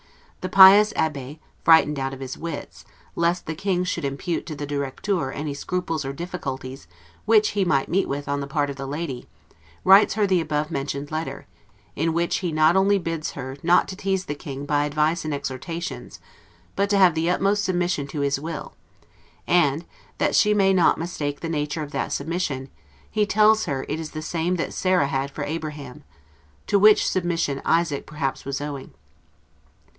The pious Abbe, frightened out of his wits, lest the King should impute to the 'directeur' any scruples or difficulties which he might meet with on the part of the lady, writes her the above mentioned letter; in which he not only bids her not tease the King by advice and exhortations, but to have the utmost submission to his will; and, that she may not mistake the nature of that submission, he tells her it is the same that Sarah had for Abraham; to which submission Isaac perhaps was owing.